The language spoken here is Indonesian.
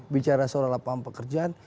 bicara soal lapangan pekerjaan